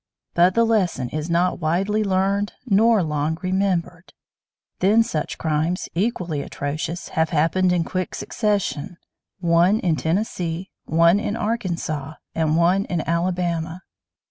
But the lesson is not widely learned nor long remembered. Then such crimes, equally atrocious, have happened in quick succession, one in Tennessee, one in Arkansas, and one in Alabama.